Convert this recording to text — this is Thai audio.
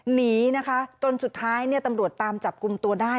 หนีนะคะจนสุดท้ายเนี่ยตำรวจตามจับกลุ่มตัวได้